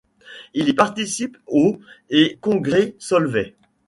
Il a participé aux et congrès Solvay.